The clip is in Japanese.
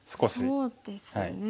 そうですね。